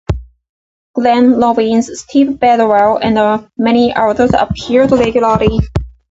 Glenn Robbins, Steve Bedwell and many others appeared regularly.